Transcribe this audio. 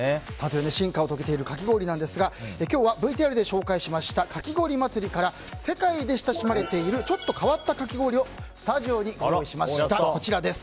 進化を遂げているかき氷なんですが今日はＶＴＲで紹介したかき氷祭から世界で親しまれているちょっと変わったかき氷をスタジオにご用意しました。